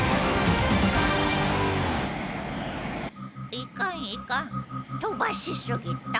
いかんいかんとばしすぎた。